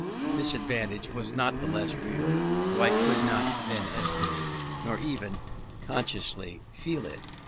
This advantage was not the less real though I could not then estimate, nor even consciously feel it.